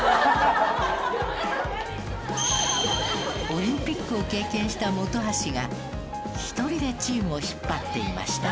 オリンピックを経験した本橋が１人でチームを引っ張っていました。